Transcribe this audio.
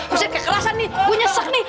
pusat kekerasan nih gue nyesek nih